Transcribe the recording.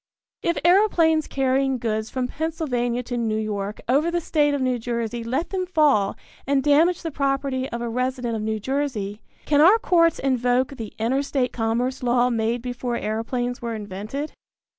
If aeroplanes carrying goods from Pennsylvania to New York over the State of New Jersey let them fall and damage the property of a resident of New Jersey, can our courts invoke the Interstate Commerce Law made before aeroplanes were invented?